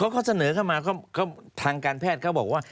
เขาเสนอเข้ามาทางการแพทย์เขาบอกว่า